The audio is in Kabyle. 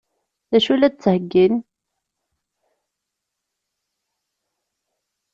D acu i la d-ttheggin?